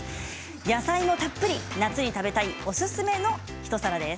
野菜もたっぷり夏に食べたいおすすめの一皿です。